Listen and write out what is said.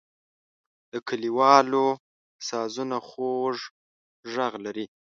د کلیوالو سازونه خوږ غږ لري.